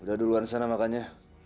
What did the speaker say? udah duluan sana makannya